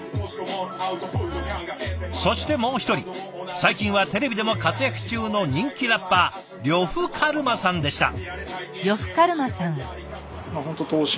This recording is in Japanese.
そしてもう一人最近はテレビでも活躍中の人気ラッパー呂布カルマさんでした。